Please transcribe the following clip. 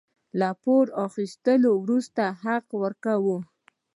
له پور اخيستو وروسته حق ورکوو.